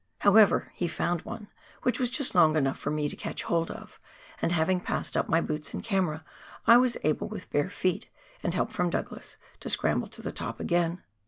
However, he found one which was just long enough for me to catch hold of, and having passed up my boots and camera, I was able, with bare feet and help from Douglas, to scramble to the top again.